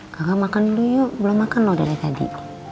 kagak makan dulu yuk belum makan loh dari tadi